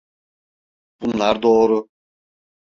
Bunlar doğru.